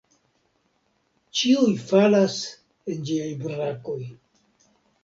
Ĉiuj falas en ĝiaj brakoj.